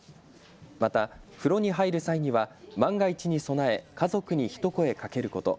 また風呂に入る際には万が一に備え家族に一声かけること。